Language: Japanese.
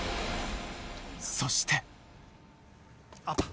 そして。